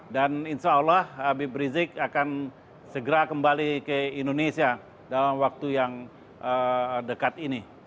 dan insya allah rizik sihab akan segera kembali ke indonesia dalam waktu yang dekat ini